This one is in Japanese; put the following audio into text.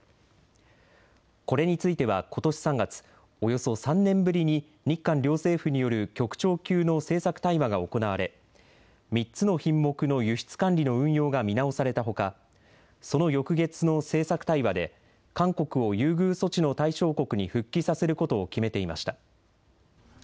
これについては、ことし３月、およそ３年ぶりに日韓両政府による局長級の政策対話が行われ、３つの品目の輸出管理の運用が見直されたほか、その翌月の政策対話で、韓国を優遇措置の対象国に復帰させることを決めていました。